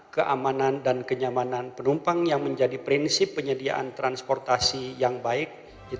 keamanan dan kenyamanan penumpang yang menjadi prinsip penyediaan transportasi yang baik